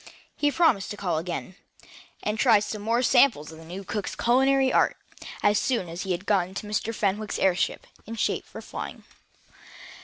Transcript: He promised to call again, and try some more samples of the new cook's culinary art, as soon as he had gotten Mr. Fenwick's airship in shape for flying.